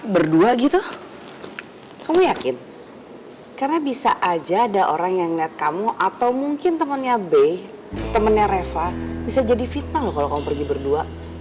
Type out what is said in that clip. berdua gitu kamu yakin karena bisa aja ada orang yang ngeliat kamu atau mungkin temennya be temennya reva bisa jadi fitnah kalo kamu pergi berdua